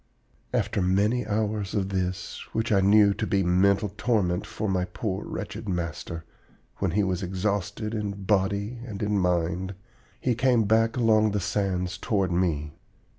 "After many hours of this, which I knew to be mental torment for my poor wretched master, when he was exhausted in body and in mind, he came back along the sands toward me.